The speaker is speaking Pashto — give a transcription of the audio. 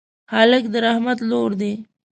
هلک د رحمت لور دی.